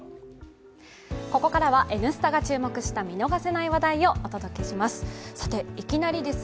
ここからは「Ｎスタ」が注目した見逃せない話題をお届けします。